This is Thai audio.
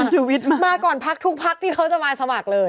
คุณชูวิทย์มาก่อนพักทุกพักที่เขาจะมาสมัครเลย